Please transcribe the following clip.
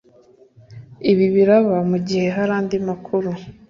Ibi biraba mugihe hari andi makuru